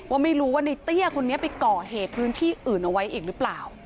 ว่าไม่รู้ว่าในเตี้ยคนนี้ไปก่อเหตุพื้นที่อื่นเอาไว้อีกหรือเปล่า